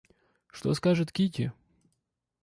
Что скажет Кити?